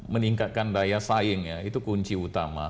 meningkatkan daya saingnya itu kunci utama